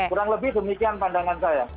kurang lebih demikian pandangan saya